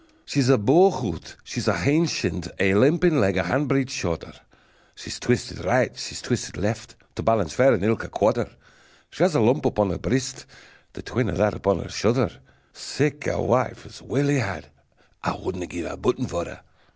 She's bow hough'd, she's hein shin'd, Ae limpin leg a hand breed shorter; She's twisted right, she's twisted left, To balance fair in ilka quarter: She has a lump upon her breast, The twin o' that upon her shouther; Sic a wife as Willie had, I wadna gie a button for her!